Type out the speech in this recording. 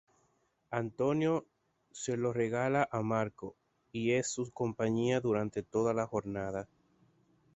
Antonio se lo regala a Marco y es su compañía durante toda la jornada.